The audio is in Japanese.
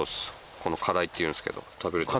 この花蕾っていうんですけど食べるところ。